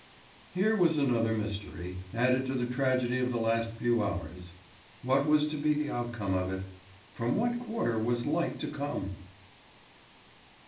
Here was another mystery, added to the tragedy of the last few hours. What was to be the outcome of it? From what quarter was light to come?